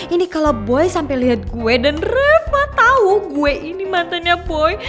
ini kalo boy sampe liat gue dan reva tau gue ini mantannya boy